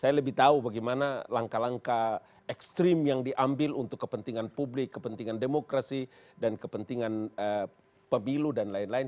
saya lebih tahu bagaimana langkah langkah ekstrim yang diambil untuk kepentingan publik kepentingan demokrasi dan kepentingan pemilu dan lain lain